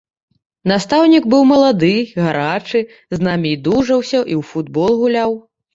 Настаўнік быў малады, гарачы, з намі і дужаўся, і ў футбол гуляў.